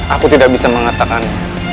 aku tidak bisa mengatakannya